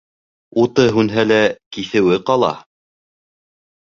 Уты һүнһә лә, киҫеүе ҡала.